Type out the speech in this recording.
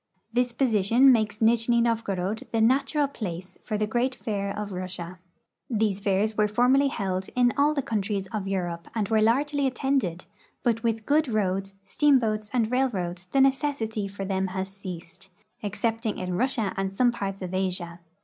This position makes Nijni NoA'gorod the natural place for the great fair of Russia. These fairs Avere formerly held in all the countries of Europe and Avere largel}'^ attended, but Avith good roads, steam boats, and railroads the necessity for them has ceased, excepting in Russia and some parts of Asia.